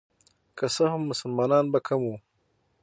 که څه هم مسلمانان به کم وو.